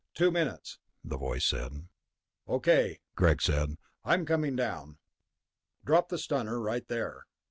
"Two minutes," the voice said. "Okay," Greg said. "I'm coming down." "Drop the stunner right there."